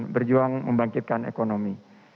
berjuang membangkitkan ekonomi